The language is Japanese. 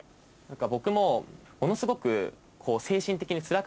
僕もものすごく。